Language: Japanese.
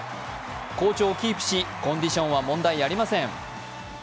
好調をキープしコンディションは問題ありません。